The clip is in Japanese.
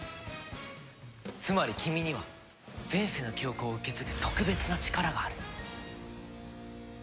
つまり君には前世の記憶を受け継ぐ特別な力がある。